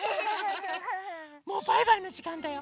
もうバイバイのじかんだよ。